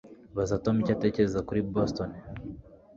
Baza Tom icyo atekereza kuri Boston